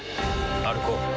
歩こう。